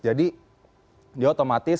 jadi dia otomatis